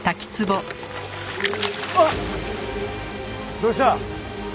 どうした？